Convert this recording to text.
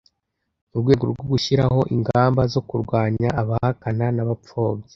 Mu rwego rwo gushyiraho ingamba zo kurwanya abahakana n abapfobya